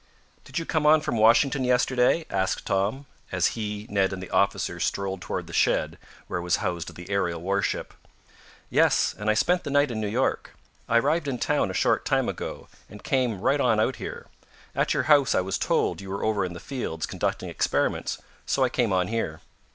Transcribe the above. "Did you come on from Washington yesterday?" asked Tom, as he, Ned and the officer strolled toward the shed where was housed the aerial warship. "Yes, and I spent the night in New York. I arrived in town a short time ago, and came right on out here. At your house I was told you were over in the fields conducting experiments, so I came on here."